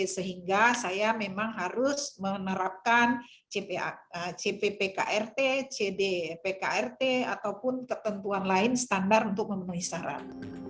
sehingga saya memang harus menerapkan cppkrt cd pkrt ataupun ketentuan lain standar untuk memenuhi syarat